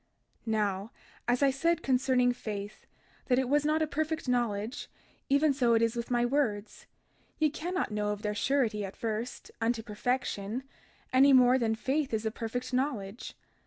32:26 Now, as I said concerning faith—that it was not a perfect knowledge—even so it is with my words. Ye cannot know of their surety at first, unto perfection, any more than faith is a perfect knowledge.